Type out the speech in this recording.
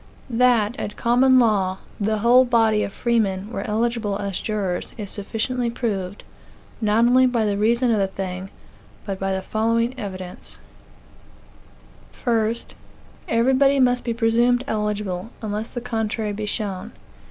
That, at common law, the whole body of freemen were eligible as jurors, is sufficiently proved, not only by the reason of the thing, but by the following evidence: 1. Everybody must be presumed eligible, until the contrary be shown.